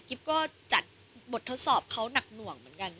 ก็จัดบททดสอบเขาหนักหน่วงเหมือนกัน